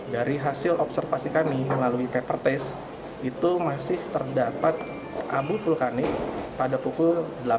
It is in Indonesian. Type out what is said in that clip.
dari hasil observasi kami melalui paper test itu masih terdapat abu vulkanik pada pukul delapan belas